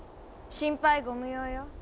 心配ご無用よ。